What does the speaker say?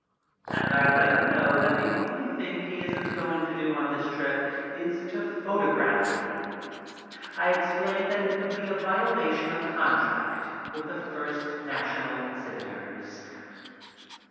And I let him know that the only thing he isn't going to do on the trip is to photograph me. I explain that it would be a violation of contract with the First National exhibitors.